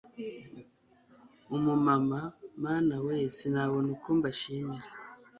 Umumama mana we sinabona uko mbashimira